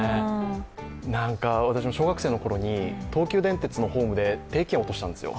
私の小学生のころに東急電鉄のホームで定期券を落としたんですよ。